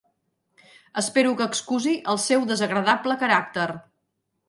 Espero que excusi el seu desagradable caràcter.